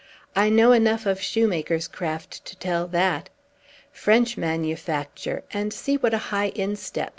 "I know enough of shoemaker's craft to tell that. French manufacture; and see what a high instep!